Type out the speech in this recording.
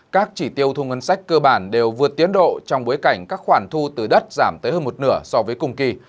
các chỉ tiêu thu ngân sách cơ bản đều vượt tiến độ trong bối cảnh các khoản thu từ đất giảm tới hơn một nửa so với cùng kỳ